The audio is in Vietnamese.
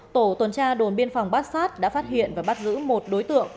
tổ tuần tra đồn biên phòng bát sát đã phát hiện và bắt giữ một đối tượng